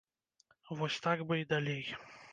Вось так бы і далей.